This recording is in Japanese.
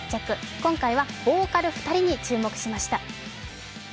今回はボーカル２人に注目しました